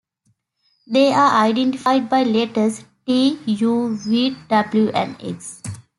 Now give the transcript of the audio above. They're identified by letters: T, U, V, W and X.